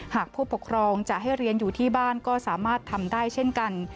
หากผู้ปกครองจะให้เรียนอยู่ที่บ้านก็สามารถทำได้เช่นกัน